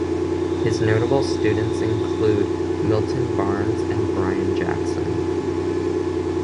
His notable students include Milton Barnes and Brian Jackson.